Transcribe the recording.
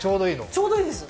ちょうどいいです？